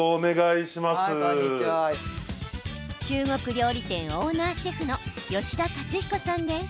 中国料理店オーナーシェフの吉田勝彦さんです。